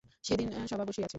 সেদিন সভা বসিয়াছে।